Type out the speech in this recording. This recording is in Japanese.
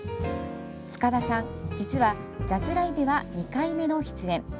塚田さん、実はジャズライブは２回目の出演。